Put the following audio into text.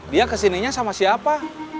dia kesininya sama siapa